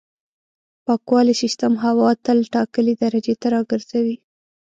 پاکوالي سیستم هوا تل ټاکلې درجې ته راګرځوي.